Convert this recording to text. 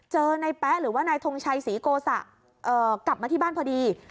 เจอนายแป๊ะหรือว่านายทงชัยศรีโกสะกลับมาที่บ้านพอดี